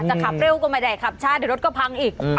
ขับเร็วก็ไม่ได้ขับช้าเดี๋ยวรถก็พังอีก